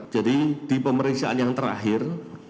jadi di pemeriksaan yang terakhir